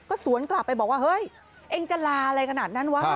ก็สวนกลับไปบอกว่าเฮ้ยเองจะลาอะไรขนาดนั้นวะ